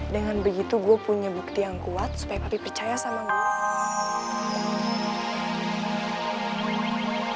dengan begitu gua punya bukti yang kuat supaya papi percaya sama gua